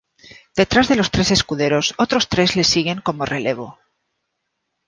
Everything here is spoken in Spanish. Detrás de los tres escuderos, otros tres les siguen como relevo.